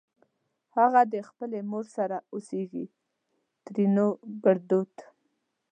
اغه دې خپلې مور سره اوسېږ؛ ترينو ګړدود